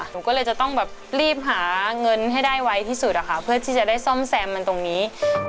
หนูก็เลยจะต้องแบบรีบหาเงินให้ได้ไวที่สุดอะค่ะเพื่อที่จะได้ซ่อมแซมมันตรงนี้